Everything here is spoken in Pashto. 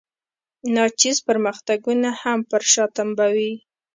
ناچیز پرمختګونه هم پر شا تمبوي.